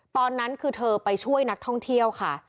ตอนนั้นคือเธอไปช่วยนักท่องเที่ยวค่ะ